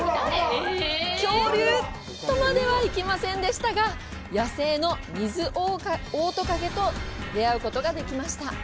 恐竜とまではいきませんでしたが、野生のミズオオトカゲと出会うことができました。